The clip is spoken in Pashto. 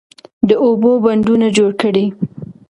د اوبو بندونه جوړ کړئ.